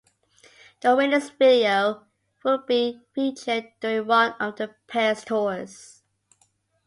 The winner's video would be featured during one of the pair's tours.